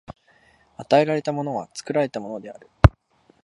与えられたものは作られたものである。